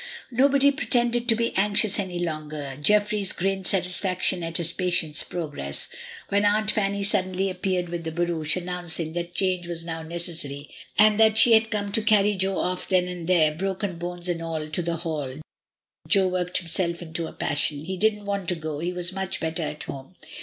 Nobody pretended to be anxious any longer. Jeffries grinned satisfaction at his patient's progress. When Aunt Fanny suddenly appeared with the barouche, announcing that change was now neces sary, and that she had come to carry Jo off then and there, broken bones and all, to the Hall, Jo worked himself into a passion. He didn't want to go, he was much better at home.